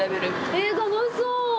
えっ、楽しそう！